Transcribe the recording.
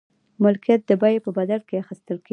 ملکیت د بیې په بدل کې اخیستل کیږي.